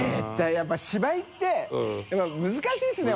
笋辰芝居って難しいですね。